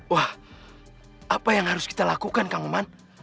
wah apa yang harus kita lakukan kang umar